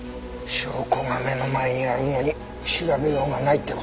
証拠が目の前にあるのに調べようがないって事か。